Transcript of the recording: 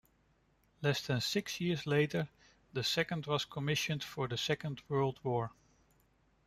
Less than six years later, the second was commissioned for the Second World War.